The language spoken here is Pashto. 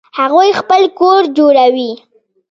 هغوی خپل کور جوړوي